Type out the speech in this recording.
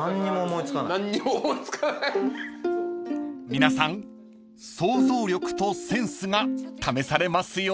［皆さん想像力とセンスが試されますよ］